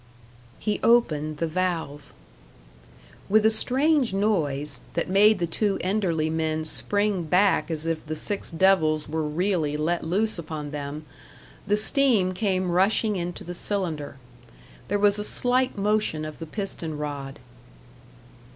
He opened the valve. With a strange noise, that made the two Enderley men spring back as if the six devils were really let loose upon them, the steam came rushing into the cylinder. There was a slight motion of the piston rod.